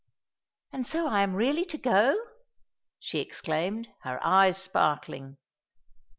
"And so I am really to go?" she exclaimed, her eyes sparkling.